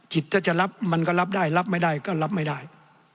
ถ้าจะรับมันก็รับได้รับไม่ได้ก็รับไม่ได้